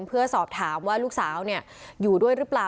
เพื่อสอบถามว่าลูกสาวอยู่ด้วยหรือเปล่า